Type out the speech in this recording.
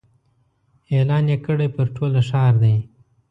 اعلان یې کړی پر ټوله ښار دی